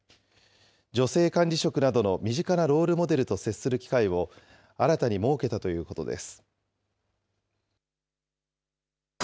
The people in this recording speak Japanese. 女性管理職などの身近なロールモデルと接する機会を新たに設けたということです。